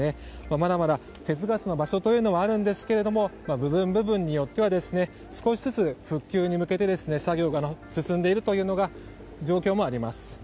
まだまだ手つかずの場所というのはあるんですが部分部分によっては少しずつ復旧に向けて作業が進んでいるという状況もあります。